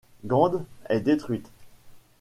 Gand est détruite.